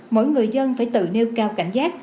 mỗi người dân phải tự nêu cao cảnh giác